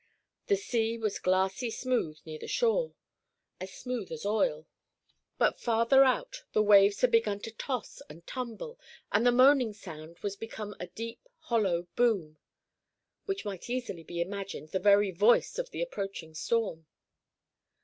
The sea was glassy smooth near the shore as smooth as oil; but farther out, the waves had begun to toss and tumble, and the moaning sound was become a deep hollow boom, which might easily be imagined the very voice of the approaching storm.